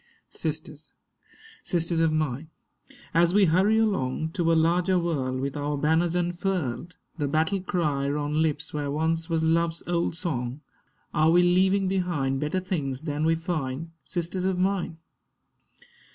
Sisters, sisters of mine, as we hurry along To a larger world, with our banners unfurled, The battle cry on lips where once was Love's old song, Are we leaving behind better things than we find, Sisters of mine?